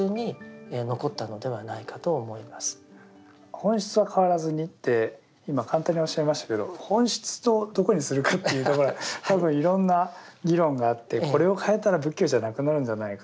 本質は変わらずにって今簡単におっしゃいましたけど本質をどこにするかっていうところは多分いろんな議論があってこれを変えたら仏教じゃなくなるんじゃないか。